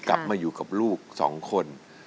กลับมาอยู่กับลูก๒คน